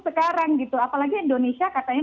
sekarang gitu apalagi indonesia katanya